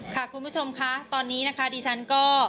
ค่ะคุณผู้ชมคะตอนนี้นะคะที่ฉันก็